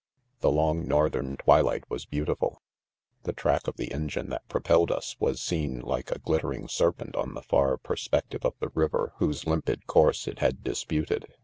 i The long northern twilight was beautiful. The track of the engine that propelled us was seen like a glittering serpent* on the far per spective of the river, whose limpid course it had disputed.